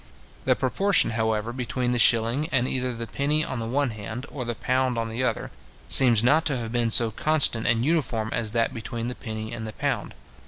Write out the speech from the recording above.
The proportion, however, between the shilling, and either the penny on the one hand, or the pound on the other, seems not to have been so constant and uniform as that between the penny and the pound.